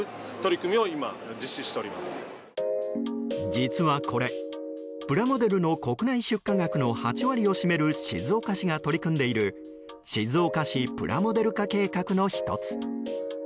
実はこれプラモデルの国内出荷額の８割を占める静岡市が取り組んでいる静岡市プラモデル化計画の１つ。